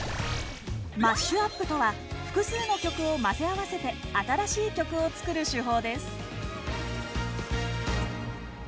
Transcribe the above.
マッシュアップとは複数の曲を混ぜ合わせて新しい曲を作る手法です。